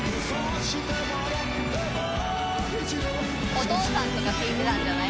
お父さんとか聴いてたんじゃない？